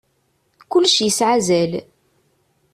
Kullec yesɛa azal.